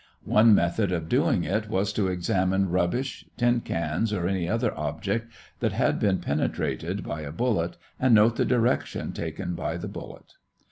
One method of doing it was to examine rubbish, tin cans, or any object that had been penetrated by a bullet and note the direction taken by the bullet.